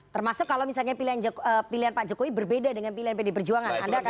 termasuk kalau misalnya pilihan pak jokowi berbeda dengan pilihan pd perjuangan anda akan ikut